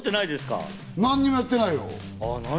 何もやってないよ。